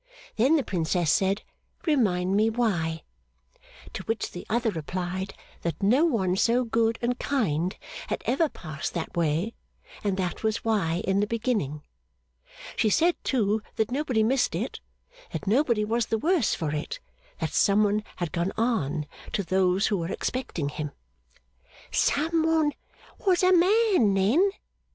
Then the Princess said, Remind me why. To which the other replied, that no one so good and kind had ever passed that way, and that was why in the beginning. She said, too, that nobody missed it, that nobody was the worse for it, that Some one had gone on, to those who were expecting him ' 'Some one was a man then?